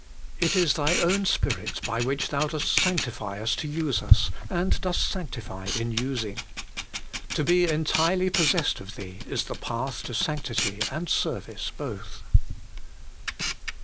It is Thy own Spirit, by which Thou dost sanctify us to use us, and dost sanctify in using. To be entirely possessed of Thee is the path to sanctity and service both.